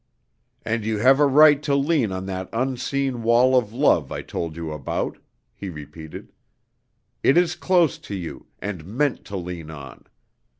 "And you have a right to lean on that unseen wall of love I told you about," he repeated. "It is close to you, and meant to lean on.